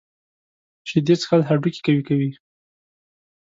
شیدې څښل هډوکي قوي کوي.